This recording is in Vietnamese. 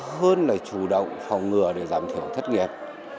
hơn là chủ động phòng ngừa để giảm thiểu thất nghiệp